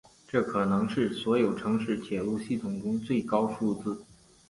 这可能是所有城市铁路系统中的最高数字。